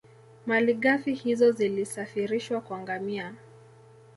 Malighafi hizo zilisafirishwa kwa ngamia